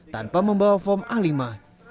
tanpa membawa form a lima